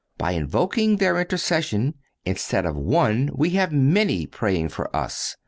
By invoking their intercession, instead of one we have many praying for us.